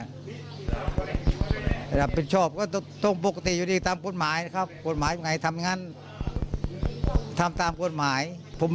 หลับผิดชอบก็ต้องปกติอยู่ดีตามกฎหมายนะครับ